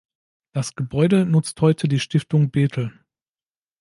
Das Gebäude nutzt heute die Stiftung Bethel.